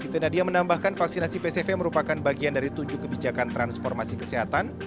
siti nadia menambahkan vaksinasi pcv merupakan bagian dari tujuh kebijakan transformasi kesehatan